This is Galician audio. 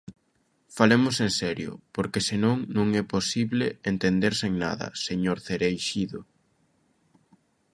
Falemos en serio, porque se non, non é posible entenderse en nada, señor Cereixido.